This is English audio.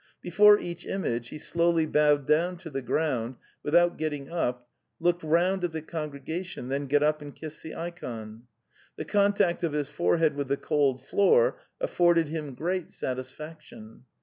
Before each image he slowly bowed down to the ground, without getting up, looked round at the congregation, then got up and kissed the ikon. The contact of his forehead with the cold floor afforded him great satisfaction.